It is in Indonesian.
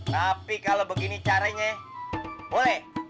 tapi kalau begini caranya boleh